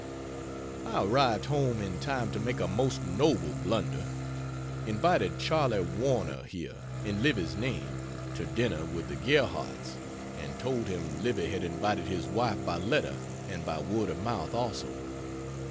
I arrived home in time to make a most noble blunder invited Charley Warner here (in Livy's name) to dinner with the Gerhardts, and told him Livy had invited his wife by letter and by word of mouth also.